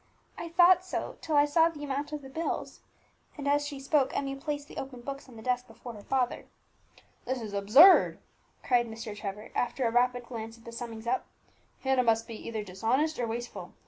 "I thought so, till I saw the amount of the bills," and, as she spoke, Emmie placed the open books on the desk before her father. "This is absurd!" cried Mr. Trevor, after a rapid glance at the summings up; "Hannah must either be dishonest or wasteful.